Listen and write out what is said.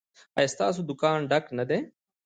ایا ستاسو دکان ډک نه دی؟